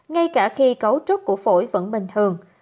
ngay cả khi cấu trúc của phổi vẫn bình thường